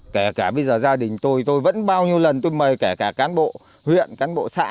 kể cả bây giờ gia đình tôi tôi vẫn bao nhiêu lần tôi mời kể cả cán bộ huyện cán bộ xã